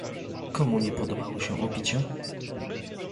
"Komu nie podobały się obicia?..."